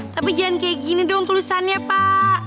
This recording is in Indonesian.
tapi jangan kayak gini dong kelusannya pak